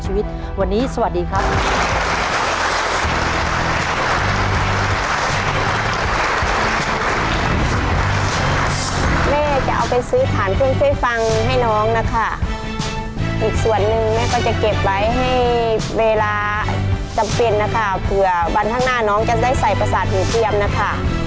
อีกส่วนหนึ่งแม่ก็จะเก็บไว้ให้เวลาจำเป็นนะค่ะเผื่อบรรทางหน้าน้องจะได้ใส่ประสาทหูเทียมนะค่ะ